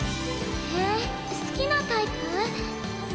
ええ好きなタイプ？